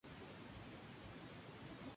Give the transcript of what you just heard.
Hay dos fútbol local equipos.